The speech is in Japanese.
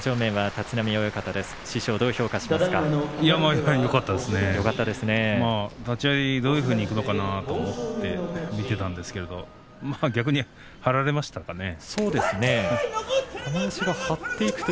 立ち合い、どういうふうにいくのかなと思って見ていたんですけど逆に張られましたかね。